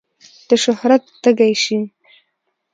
د شهرت تږی شي.